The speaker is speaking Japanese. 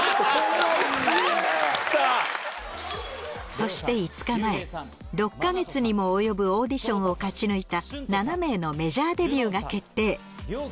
そして５日前６か月にも及ぶオーディションを勝ち抜いた７名のメジャーデビューが決定